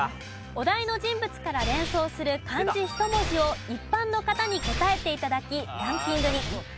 お題の人物から連想する漢字１文字を一般の方に答えて頂きランキングに。